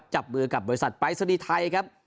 จับมือกับบริษัทไปรสดิไทย